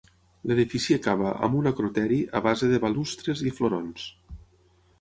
L'edifici acaba amb un acroteri a base de balustres i florons.